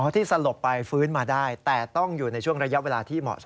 ที่สลบไปฟื้นมาได้แต่ต้องอยู่ในช่วงระยะเวลาที่เหมาะสม